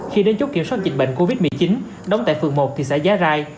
khi đến chốt kiểm soát dịch bệnh covid một mươi chín đóng tại phường một thị xã giá rai